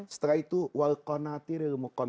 setelah selesai dengan urusan laki dan perempuan